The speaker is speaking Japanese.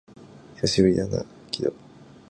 久しぶりだな、鬼道